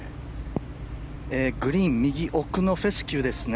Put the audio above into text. グリーン右奥のフェスキューですね。